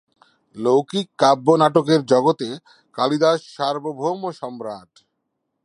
লৌকিক কাব্য নাটকের জগতে কালিদাস সার্বভৌম সম্রাট।